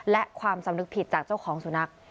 และความสำนึกผิดจากเจ้าของสุนัข